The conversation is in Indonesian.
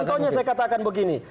contohnya saya katakan begini